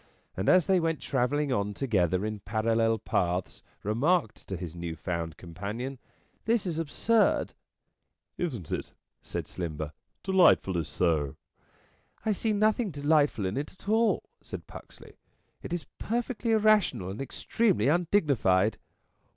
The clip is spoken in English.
and as they went travelling on together in parallel paths remarked to his new found companion :" This is absurd." " Isn't it?" said Slimber. " Delightfully so." " I see nothing delightful in it at all," said Puxley. " It is perfectly irrational and extremely undignified."